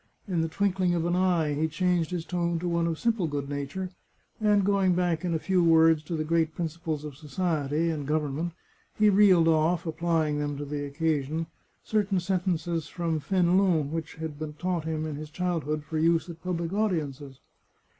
In the twinkling of an eye he changed his tone to one of simple good nature, and going back, in a few words, to the great principles of society and govern ment, he reeled oflf, applying them to the occasion, certain sentences from Fenelon which had been taught him in his childhood for use at public audiences.